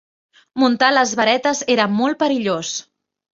Muntar les varetes era molt perillós.